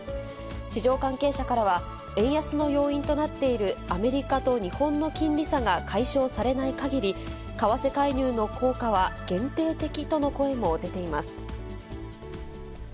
市場関係者からは、円安の要因となっているアメリカと日本の金利差が解消されないかぎり、為替介入の効果は限定的との声も出ています。